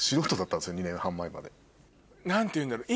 何ていうんだろう